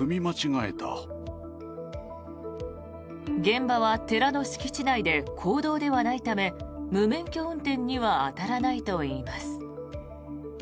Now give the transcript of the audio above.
現場は寺の敷地内で公道ではないため無免許運転には当たらないといいます。